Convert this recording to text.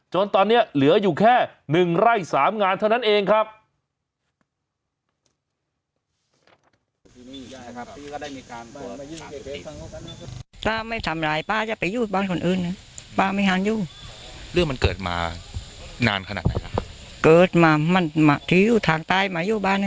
ตอนนี้เหลืออยู่แค่๑ไร่๓งานเท่านั้นเองครับ